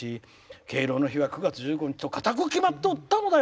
敬老の日は９月１５日と硬く決まっていたのだよ！